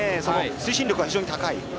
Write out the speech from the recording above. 推進力が非常に高い。